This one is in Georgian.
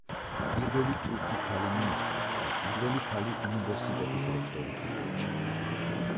პირველი თურქი ქალი მინისტრი და პირველი ქალი უნივერსიტეტის რექტორი თურქეთში.